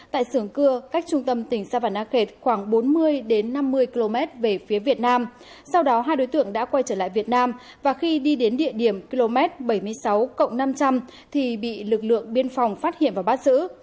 tại sưởng cưa cách trung tâm tỉnh sa văn a khệt khoảng bốn mươi đến năm mươi km về phía việt nam sau đó hai đối tượng đã quay trở lại việt nam và khi đi đến địa điểm km bảy mươi sáu cộng năm trăm linh thì bị lực lượng biên phòng phát hiện và bắt giữ